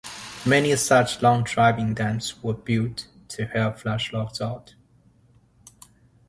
Many such log-driving dams were built to help flush logs out.